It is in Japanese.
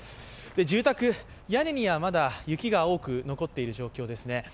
住宅、屋根にはまだ雪が多く残っている状況ですね。